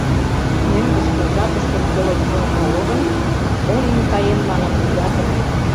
Мӧҥгышкӧ жапыштыже толын шуын огыл гын, «Мо лийын каен?» манын лӱдат ыле.